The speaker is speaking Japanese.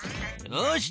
よし。